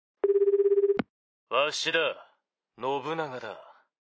わしだ信長だ。